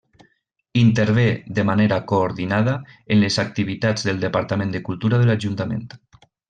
Intervé, de manera coordinada, en les activitats del Departament de Cultura de l'Ajuntament.